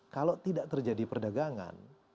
kalau tidak terjadi perdagangan